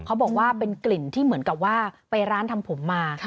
เขาบอกว่าเป็นกลิ่นที่เหมือนกับว่าไปร้านทำผมมา